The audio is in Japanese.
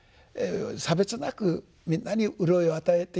差別なくみんなに潤いを与えていきますよと。